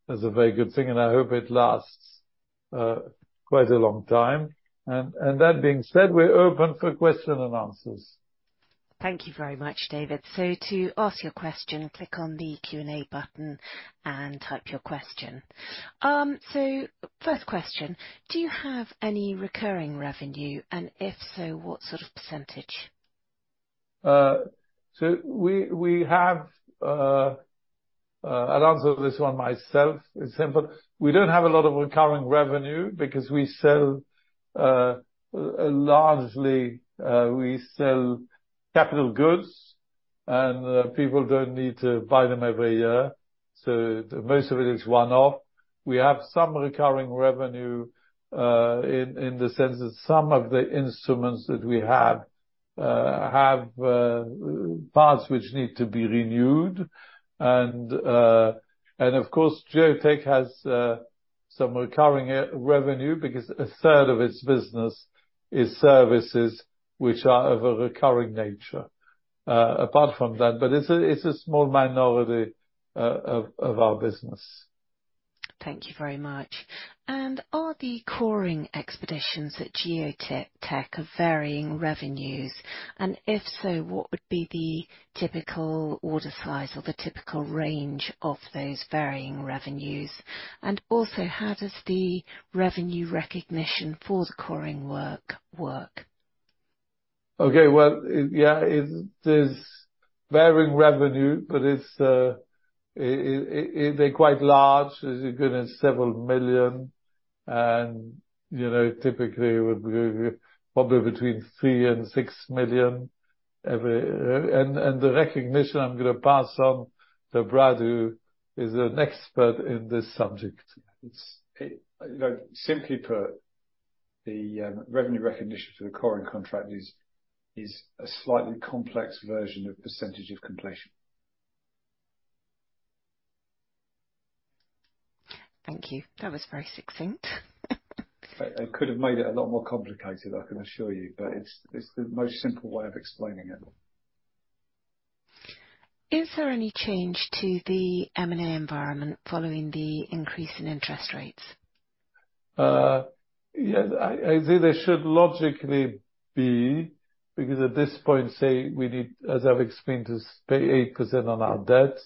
that's a very good thing, and I hope it lasts quite a long time. And that being said, we're open for question and answers. Thank you very much, David. To ask your question, click on the Q&A button and type your question. First question: Do you have any recurring revenue, and if so, what sort of percentage? So we have, I'll answer this one myself. It's simple. We don't have a lot of recurring revenue because we sell largely capital goods, and people don't need to buy them every year, so most of it is one-off. We have some recurring revenue in the sense that some of the instruments that we have have parts which need to be renewed. And of course, Geotek has some recurring revenue because a third of its business is services which are of a recurring nature, apart from that, but it's a small minority of our business. Thank you very much. Are the coring expeditions at Geotek of varying revenues? If so, what would be the typical order size or the typical range of those varying revenues? Also, how does the revenue recognition for the coring work? Okay, well, yeah, there's varying revenue, but it's, it, they're quite large. It's as good as several million, and you know, typically, would be probably between 3 million-6 million every... and the recognition, I'm gonna pass on to Brad, who is an expert in this subject. It's, you know, simply put, the revenue recognition for the coring contract is a slightly complex version of percentage of completion. Thank you. That was very succinct. I could have made it a lot more complicated, I can assure you, but it's the most simple way of explaining it. Is there any change to the M&A environment following the increase in interest rates? Yes, I think there should logically be, because at this point, say we need, as I've explained, to pay 8% on our debt,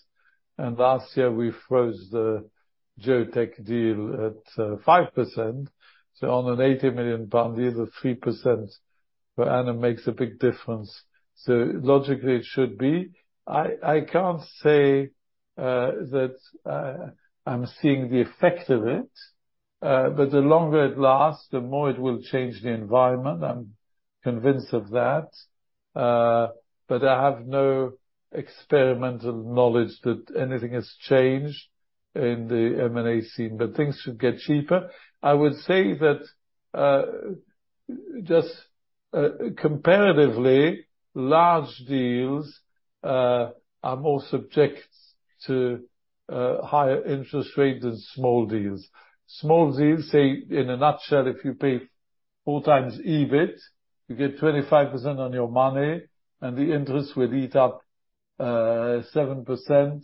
and last year we froze the Geotek deal at 5%. So on a 80 million pound deal, the 3% per annum makes a big difference, so logically, it should be. I can't say that I'm seeing the effect of it, but the longer it lasts, the more it will change the environment. I'm convinced of that. But I have no experimental knowledge that anything has changed in the M&A scene, but things should get cheaper. I would say that just comparatively, large deals are more subject to higher interest rates than small deals. Small deals, say, in a nutshell, if you pay 4x EBIT, you get 25% on your money, and the interest will eat up 7%, 8%,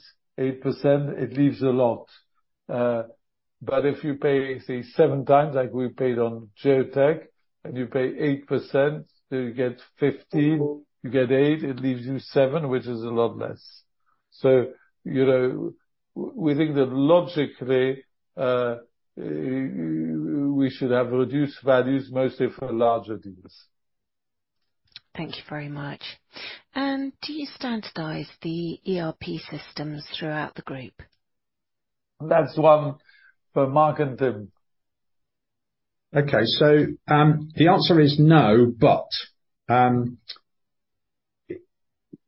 it leaves a lot. But if you pay, say, 7x, like we paid on Geotek, and you pay 8%, so you get 15%, you get 8%, it leaves you 7%, which is a lot less. So, you know, we think that logically, we should have reduced values, mostly for larger deals. Thank you very much. Do you standardize the ERP systems throughout the group? That's one for Mark and Tim. Okay. The answer is no, but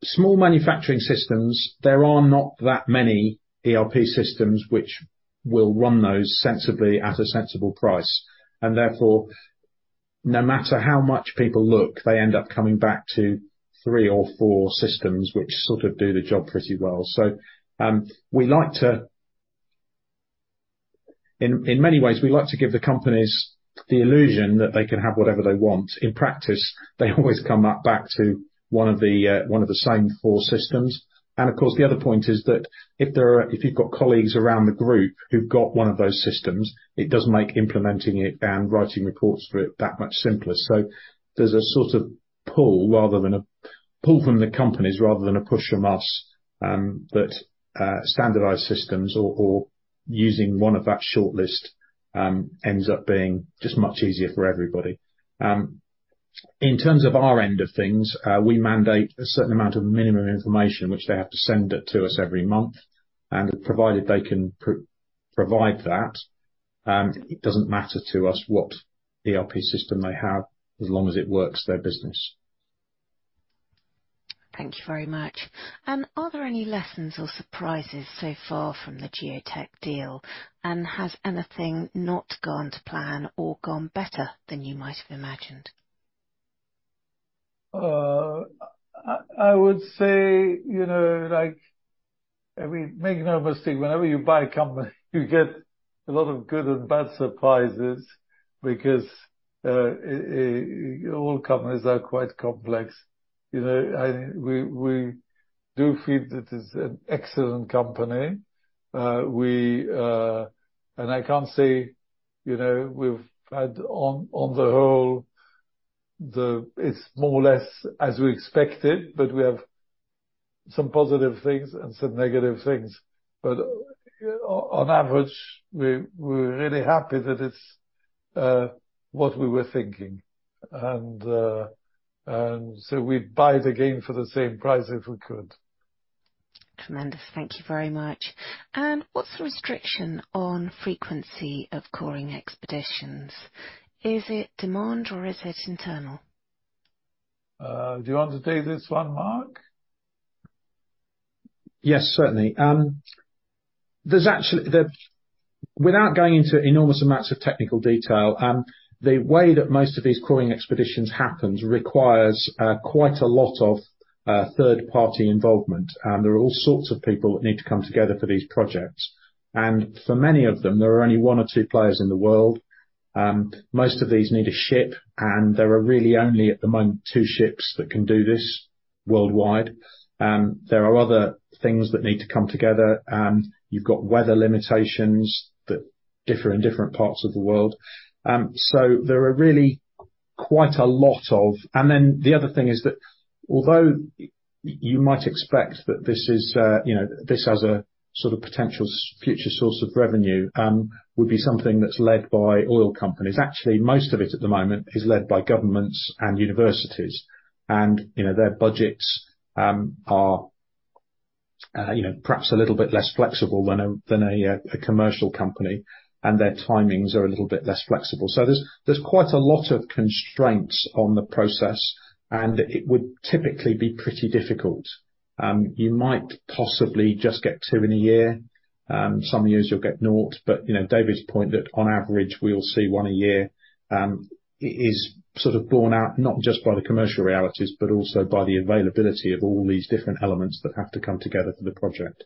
small manufacturing systems, there are not that many ERP systems which will run those sensibly at a sensible price, and therefore, no matter how much people look, they end up coming back to three or four systems which sort of do the job pretty well. We like to-- In many ways, we like to give the companies the illusion that they can have whatever they want. In practice, they always come up back to one of the, one of the same four systems. Of course, the other point is that if you've got colleagues around the group who've got one of those systems, it does make implementing it and writing reports for it that much simpler. So there's a sort of pull from the companies rather than a push from us, that standardized systems or using one of that shortlist ends up being just much easier for everybody. In terms of our end of things, we mandate a certain amount of minimum information which they have to send it to us every month, and provided they can provide that, it doesn't matter to us what ERP system they have, as long as it works their business. Thank you very much. Are there any lessons or surprises so far from the Geotek deal? Has anything not gone to plan or gone better than you might have imagined? I would say, you know, like, I mean, make no mistake, whenever you buy a company, you get a lot of good and bad surprises because all companies are quite complex. You know, we do feel that it's an excellent company. And I can't say, you know, we've had on the whole, it's more or less as we expected, but we have some positive things and some negative things. But on average, we're really happy that it's what we were thinking. And, and so we'd buy it again for the same price if we could. Tremendous. Thank you very much. What's the restriction on frequency of coring expeditions? Is it demand or is it internal? Do you want to take this one, Mark? Yes, certainly. There's actually, without going into enormous amounts of technical detail, the way that most of these coring expeditions happens, requires, quite a lot of, third-party involvement, and there are all sorts of people that need to come together for these projects. And for many of them, there are only one or two players in the world. Most of these need a ship, and there are really only, at the moment, two ships that can do this worldwide. There are other things that need to come together. You've got weather limitations that differ in different parts of the world. So there are really quite a lot of... And then the other thing is that although you might expect that this is, you know, this as a sort of potential future source of revenue, would be something that's led by oil companies. Actually, most of it, at the moment, is led by governments and universities, and, you know, their budgets are, you know, perhaps a little bit less flexible than a commercial company, and their timings are a little bit less flexible. So there's quite a lot of constraints on the process, and it would typically be pretty difficult. You might possibly just get two in a year. Some years you'll get naught, but, you know, David's point that on average, we'll see one a year, is sort of borne out, not just by the commercial realities, but also by the availability of all these different elements that have to come together for the project.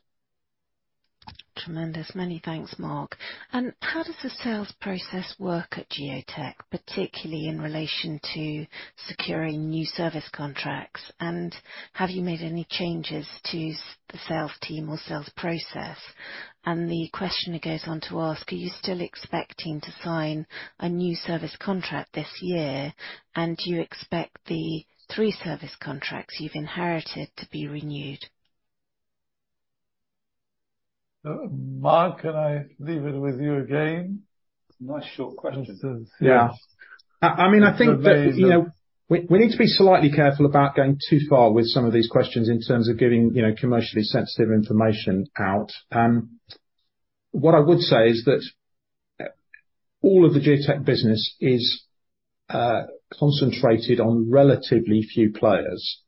Tremendous. Many thanks, Mark. How does the sales process work at Geotek, particularly in relation to securing new service contracts? Have you made any changes to the sales team or sales process? The questioner goes on to ask: Are you still expecting to sign a new service contract this year? Do you expect the three service contracts you've inherited to be renewed? Mark, can I leave it with you again? Nice short question. It is, yes. Yeah. I mean, I think that, you know, we need to be slightly careful about going too far with some of these questions in terms of giving, you know, commercially sensitive information out. What I would say is that all of the Geotek business is concentrated on relatively few players.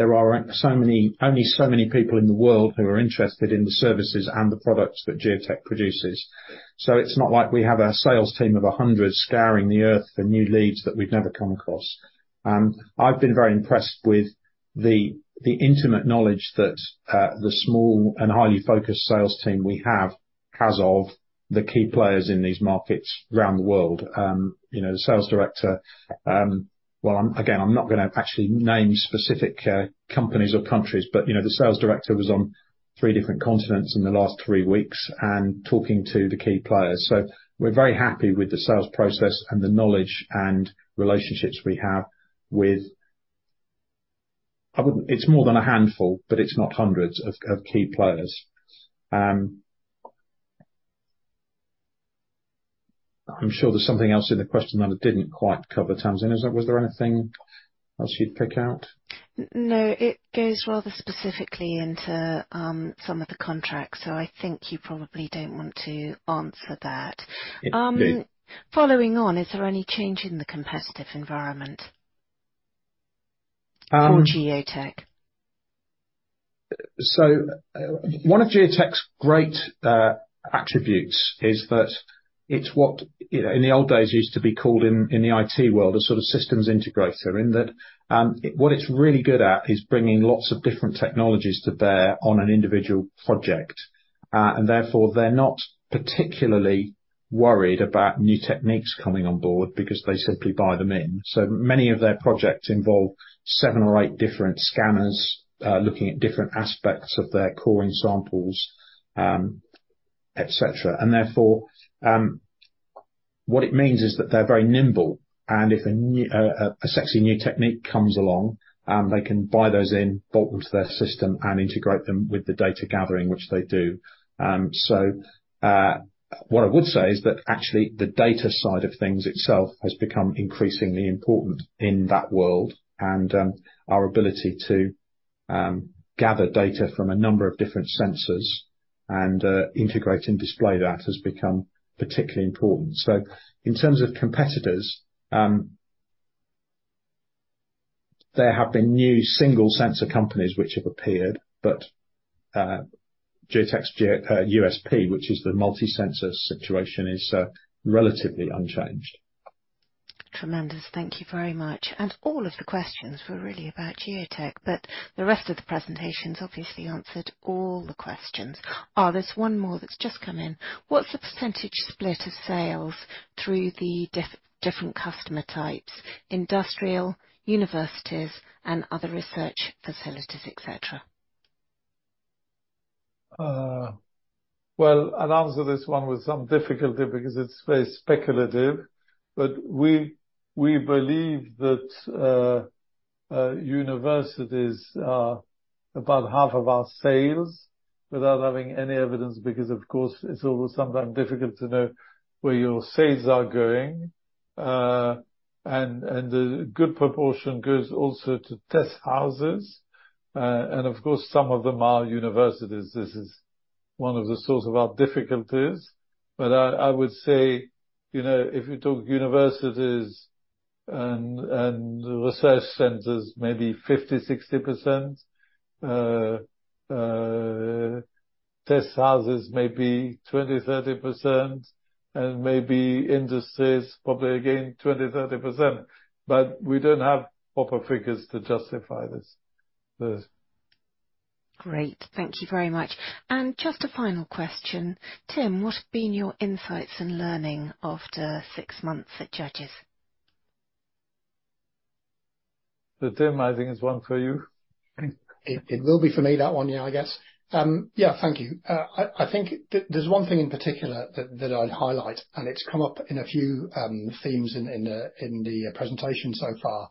There are only so many people in the world who are interested in the services and the products that Geotek produces. So it's not like we have a sales team of 100 scouring the earth for new leads that we've never come across. I've been very impressed with the intimate knowledge that the small and highly focused sales team we have has of the key players in these markets around the world. You know, the sales director, well, I'm—again, I'm not gonna actually name specific companies or countries, but, you know, the sales director was on three different continents in the last three weeks and talking to the key players. So we're very happy with the sales process and the knowledge and relationships we have with. I wouldn't. It's more than a handful, but it's not hundreds of key players. I'm sure there's something else in the question that I didn't quite cover, Tamsin. Is there, was there anything else you'd pick out? No, it goes rather specifically into some of the contracts, so I think you probably don't want to answer that. Yeah. Following on, is there any change in the competitive environment? Um- -for Geotek? So, one of Geotek's great attributes is that it's what, you know, in the old days, used to be called in the IT world, a sort of systems integrator, in that what it's really good at is bringing lots of different technologies to bear on an individual project. And therefore, they're not particularly worried about new techniques coming on board because they simply buy them in. So many of their projects involve seven or eight different scanners, looking at different aspects of their core samples, et cetera. And therefore, what it means is that they're very nimble, and if a new a sexy new technique comes along, they can buy those in, bolt them to their system, and integrate them with the data gathering, which they do. So, what I would say is that, actually, the data side of things itself has become increasingly important in that world. And, our ability to, gather data from a number of different sensors and, integrate and display that, has become particularly important. So in terms of competitors, there have been new single-sensor companies which have appeared, but, Geotek's USP, which is the multi-sensor situation, is, relatively unchanged. Tremendous. Thank you very much. All of the questions were really about Geotek, but the rest of the presentations obviously answered all the questions. There's one more that's just come in: What's the percentage split of sales through the different customer types, industrial, universities, and other research facilities, et cetera? Well, I'll answer this one with some difficulty because it's very speculative, but we, we believe that universities are about half of our sales, without having any evidence, because, of course, it's always sometimes difficult to know where your sales are going. And, and a good proportion goes also to test houses. And of course, some of them are universities. This is one of the source of our difficulties. But I, I would say, you know, if you took universities and, and research centers, maybe 50%-60%. Test houses, maybe 20%-30%, and maybe industries, probably again, 20%-30%. But we don't have proper figures to justify this, this. Great. Thank you very much. Just a final question: Tim, what have been your insights and learning after six months at Judges? So, Tim, I think it's one for you. It will be for me, that one. Yeah, I guess. Yeah, thank you. I think there's one thing in particular that I'd highlight, and it's come up in a few themes in the presentation so far.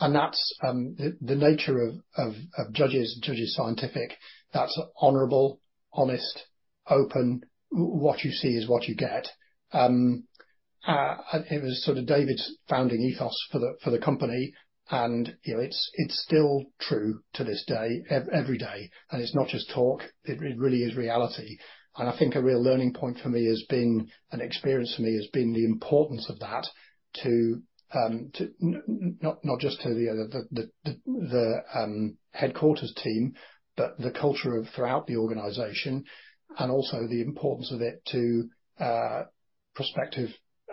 And that's the nature of Judges and Judges Scientific. That's honorable, honest, open, what you see is what you get. It was sort of David's founding ethos for the company, and you know, it's still true to this day, every day. And it's not just talk, it really is reality. And I think a real learning point for me has been, and experience for me, has been the importance of that to not just to the headquarters team, but the culture throughout the organization, and also the importance of it to prospective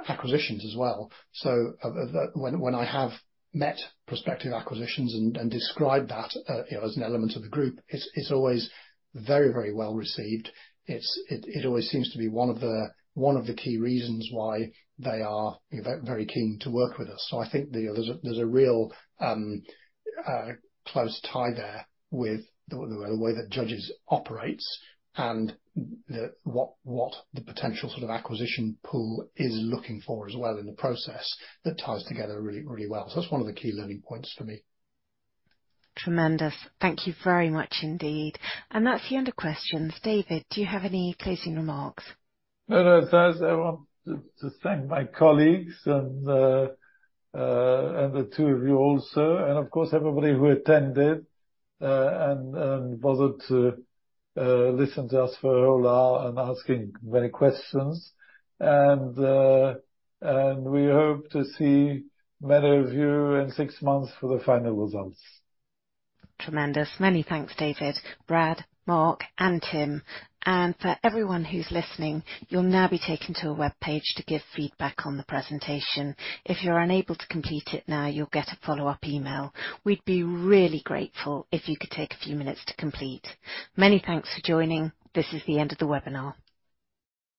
acquisitions as well. So of the... When I have met prospective acquisitions and described that, you know, as an element of the group, it's always very, very well received. It always seems to be one of the key reasons why they are very keen to work with us. So I think there's a real close tie there with the way that Judges operates and what the potential sort of acquisition pool is looking for as well in the process. That ties together really, really well. So that's one of the key learning points for me. Tremendous. Thank you very much indeed. That's the end of questions. David, do you have any closing remarks? No, no. First, I want to thank my colleagues and the two of you also, and of course, everybody who attended and bothered to listen to us for a whole hour and asking many questions. We hope to see many of you in six months for the final results. Tremendous. Many thanks, David, Brad, Mark, and Tim. For everyone who's listening, you'll now be taken to a webpage to give feedback on the presentation. If you're unable to complete it now, you'll get a follow-up email. We'd be really grateful if you could take a few minutes to complete. Many thanks for joining. This is the end of the webinar.